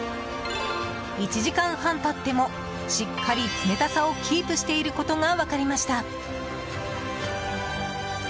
１時間半、経ってもしっかり冷たさをキープしていることが分かりました。